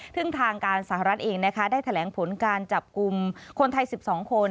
ซึ่งทางการสหรัฐเองนะคะได้แถลงผลการจับกลุ่มคนไทย๑๒คน